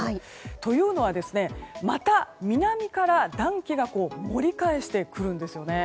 というのは、また南から暖気が盛り返してくるんですね。